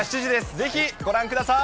ぜひご覧ください。